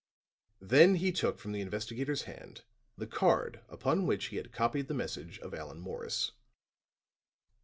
Then he took from the investigator's hand the card upon which he had copied the message of Allan Morris.